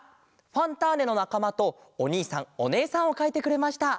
「ファンターネ！」のなかまとおにいさんおねえさんをかいてくれました。